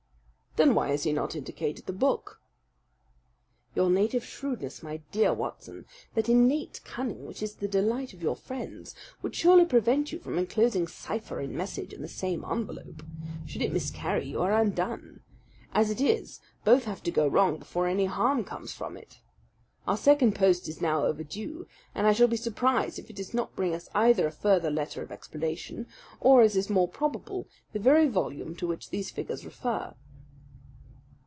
"Then why has he not indicated the book?" "Your native shrewdness, my dear Watson, that innate cunning which is the delight of your friends, would surely prevent you from inclosing cipher and message in the same envelope. Should it miscarry, you are undone. As it is, both have to go wrong before any harm comes from it. Our second post is now overdue, and I shall be surprised if it does not bring us either a further letter of explanation, or, as is more probable, the very volume to which these figures refer."